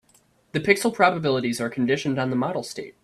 The pixel probabilities are conditioned on the model state.